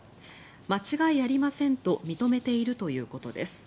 間違いありませんと認めているということです。